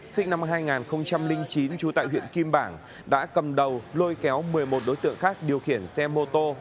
sinh năm hai nghìn chín trú tại huyện kim bảng đã cầm đầu lôi kéo một mươi một đối tượng khác điều khiển xe mô tô